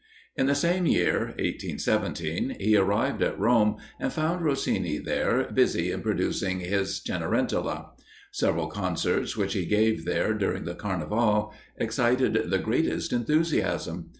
In the same year (1817) he arrived at Rome, and found Rossini there busy in producing his "Cenerentola." Several concerts which he gave there during the Carnival excited the greatest enthusiasm.